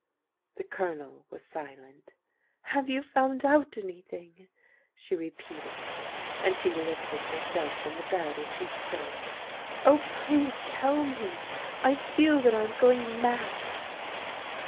The Colonel was silent. "Have you found out anything?" she repeated, and she lifted herself in the bed as she spoke. " Oh, please tell me ! I feel that I am going mad